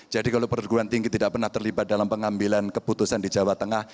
jadi kalau perguruan tinggi tidak pernah terlibat dalam pengambilan keputusan di jawa tengah